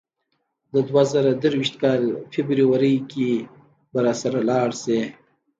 د دوه زره درویشت کال فبرورۍ کې به راسره لاړ شې.